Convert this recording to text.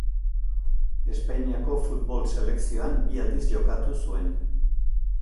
Espainiako futbol selekzioan bi aldiz jokatu zuen.